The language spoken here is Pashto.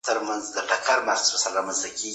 د ږغ پېژندنه د نړۍ د ټکنالوژۍ یوه محوري برخه ده.